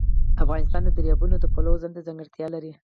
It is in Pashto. افغانستان د دریابونه د پلوه ځانته ځانګړتیا لري.